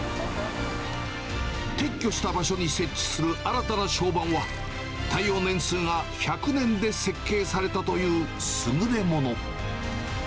撤去した場所に設置する新たな床版は、耐用年数が１００年で設計されたという優れもの。